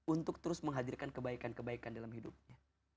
untuk terus menghadirkan kebaikan kebaikan dalam hidupnya